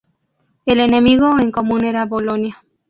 El enemigo en común era Bolonia.